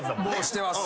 してます。